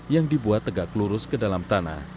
yang dibuat tegak lurus ke dalam tanah